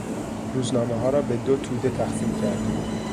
روزنامهها را به دو توده تقسیم کردیم.